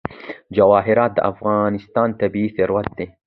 جواهرات د افغانستان طبعي ثروت دی.